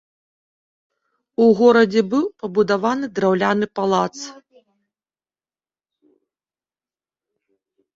У горадзе быў пабудаваны драўляны палац.